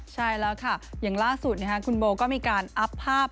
ใช่แล้วค่ะอย่างล่าสุดคุณโบก็มีการอัพภาพ